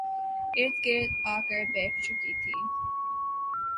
ارد گرد آ کر بیٹھ چکے تھی